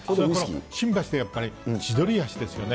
新橋でやっぱり、千鳥足ですよね。